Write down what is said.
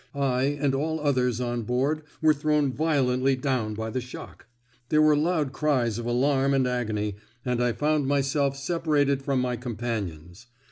I and all others on board were thrown violently down by the shock. There were loud cries of alarm and agony, and I found myself separated from my companions.